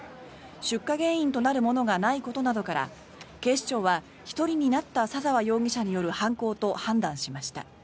出火原因となるものがないことから警視庁は１人になった佐澤容疑者による犯行と判断しました。